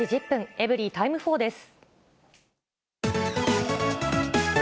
エブリィタイム４です。